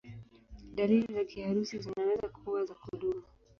Dalili za kiharusi zinaweza kuwa za kudumu.